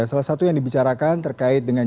salah satu yang dibicarakan terkait dengan